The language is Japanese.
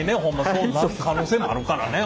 そうなる可能性もあるからね。